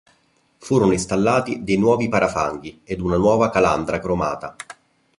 Furono installati dei nuovi parafanghi ed una nuova calandra cromata.